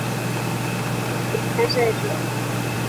每一组均有三名参赛者。